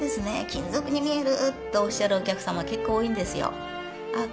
金属に見えるっておっしゃるお客様結構多いんですよあっ